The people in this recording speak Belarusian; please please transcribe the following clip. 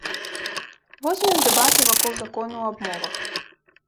Возьмем дэбаты вакол закону аб мовах.